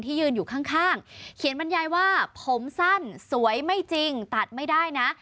ยืนอยู่ข้างเขียนบรรยายว่าผมสั้นสวยไม่จริงตัดไม่ได้นะ